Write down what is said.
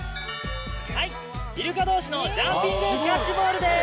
イルカ同士のジャンピングキャッチボールです。